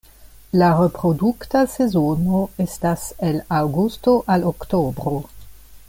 La reprodukta sezono estas el aŭgusto al oktobro.